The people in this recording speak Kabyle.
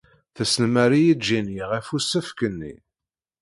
Tesnemmer-iyi Jenny ɣef usefk-nni.